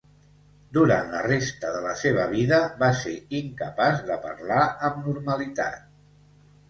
Durant la resta de la seva vida va ser incapaç de parlar amb normalitat.